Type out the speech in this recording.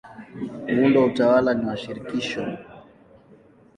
Muundo wa utawala ni wa shirikisho.